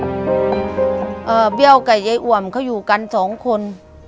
เบี้ยวกับยายอ่วมเขาอยู่กันสองคน